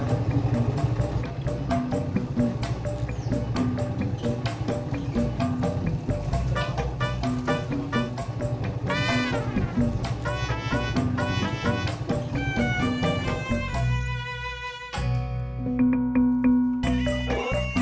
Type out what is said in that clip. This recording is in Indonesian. oh gitu ya